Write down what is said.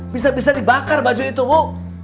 bisa bisa dibakar baju itu bu